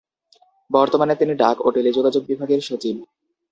বর্তমানে তিনি ডাক ও টেলিযোগাযোগ বিভাগের সচিব।